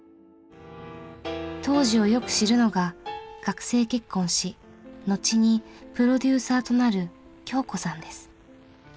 当時をよく知るのが学生結婚し後にプロデューサーとなる恭子さんです。